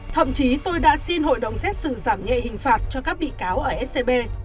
thậm chí tôi đã xin hội đồng xét xử giảm nhẹ hình phạt cho các bị cáo ở scb